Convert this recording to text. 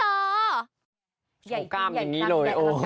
โอ้กล้ามอย่างนี้เลยโอ้นะคะ